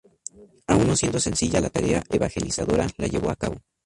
Aún no siendo sencilla la tarea evangelizadora la llevó a cabo.